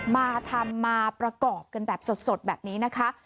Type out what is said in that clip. มาทำมาประกอบกันแบบสดแบบนี้นะคะ